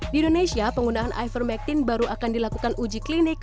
di indonesia penggunaan ivermectin baru akan dilakukan uji klinik